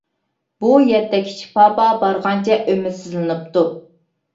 بۇ يەتتە كىچىك پاپا بارغانچە ئۈمىدسىزلىنىپتۇ.